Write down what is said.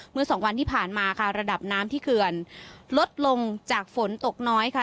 เมื่อสองวันที่ผ่านมาค่ะระดับน้ำที่เขื่อนลดลงจากฝนตกน้อยค่ะ